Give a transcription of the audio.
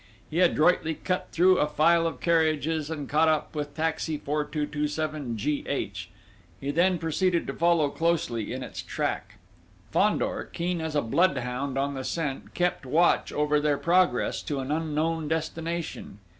He adroitly cut through a file of carriages and caught up taxi 4227 G.H. He then proceeded to follow closely in its track. Fandor, keen as a bloodhound on the scent, kept watch over their progress to an unknown destination.